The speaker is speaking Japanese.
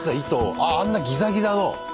あああんなギザギザの。